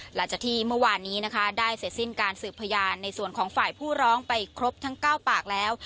หลังจากที่เมื่อวานนี้นะคะได้เสร็จสิ้นการสืบพยานในส่วนของฝ่ายผู้ร้องไปครบทั้ง๙ปากแล้ว